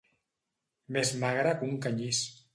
Més magre que un canyís.